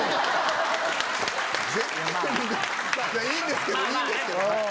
いいんですけどいいんですけど。